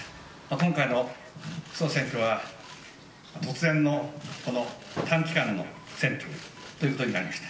今回の総選挙は、突然の短期間の選挙ということになりました。